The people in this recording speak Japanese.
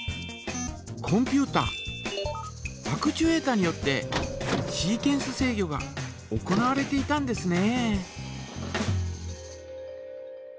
コンピュータアクチュエータによってシーケンス制御が行われていたんですね。